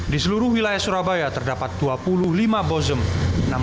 di seluruh wilayah surabaya terdapat dua puluh lima bozem